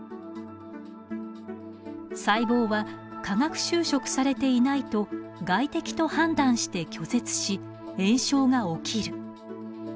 細胞は化学修飾されていないと外敵と判断して拒絶し炎症が起きる。